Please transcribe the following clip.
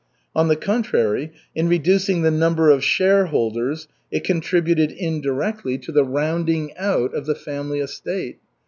On the contrary, in reducing the number of shareholders it contributed indirectly to the rounding out of the family estate.